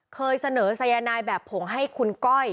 เคยเสนอสายนายแบบผงให้คุณก้อย